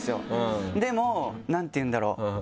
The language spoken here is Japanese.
でも何ていうんだろう？